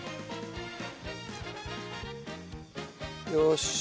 よし。